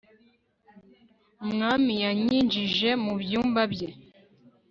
umwami yanyinjije mu byumba bye